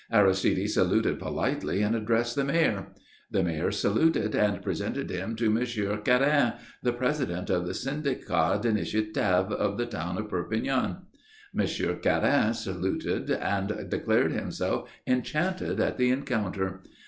Aristide saluted politely and addressed the Mayor. The Mayor saluted and presented him to Monsieur Quérin, the President of the Syndicat d'Initiative of the town of Perpignan. Monsieur Quérin saluted and declared himself enchanted at the encounter.